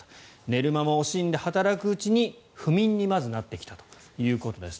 寝る間も惜しんで働くうちに不眠にまずなってきたということです。